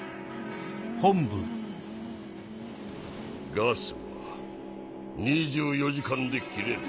ガスは２４時間で切れる。